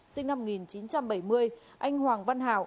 sinh năm một nghìn chín trăm bảy mươi anh hoàng văn hào